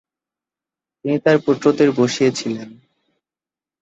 তিনি তার পুত্রদের বসিয়েছিলেন।